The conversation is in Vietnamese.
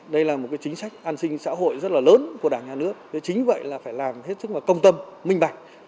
đây là một chính sách an sinh xã hội rất là lớn của đảng nhà nước chính vậy là phải làm hết sức công tâm minh bạch